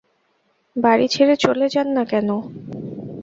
বাড়ি ছেড়ে চলে যান না কেন?